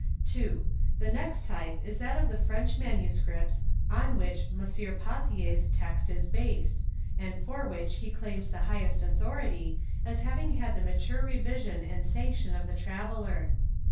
The next Type is that of the French MSS. on which M. Paiithier's Text is based, and for which he claims the highest Second; authority, as having had the mature revision and modeTied sauction of the Traveller.